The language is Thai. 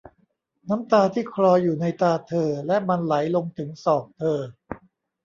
น้ำตาที่คลออยู่ในตาเธอและมันไหลลงถึงศอกเธอ